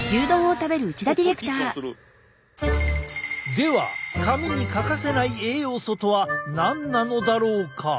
では髪に欠かせない栄養素とは何なのだろうか？